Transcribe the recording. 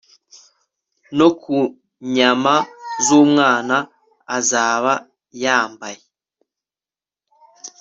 no ku nyama z'umwana azaba yabyaye